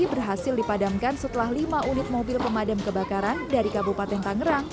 berhasil dipadamkan setelah lima unit mobil pemadam kebakaran dari kabupaten tangerang